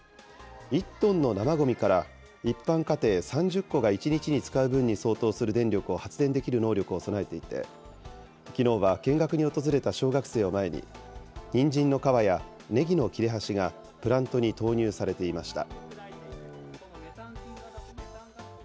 １トンの生ごみから一般家庭３０戸が１日に使う分に相当する電力を発電できる能力を備えていて、きのうは見学に訪れた小学生を前に、にんじんの皮や、ねぎの切れ端がプラントに投入されていました。